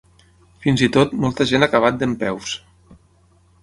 Fins i tot, molta gent ha acabat dempeus.